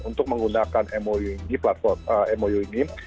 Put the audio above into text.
untuk menggunakan mou ini